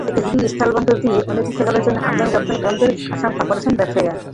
এতে হিলি স্থলবন্দর দিয়ে অনির্দিষ্টকালের জন্য আমদানি-রপ্তানি বন্ধের আশঙ্কা করছেন ব্যবসায়ীরা।